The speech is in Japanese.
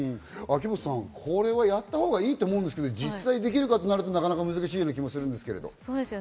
秋元さん、これはやったほうがいいと思いますけど、実際にできるかとなると難しい気もするんですけど。